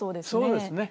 そうですね。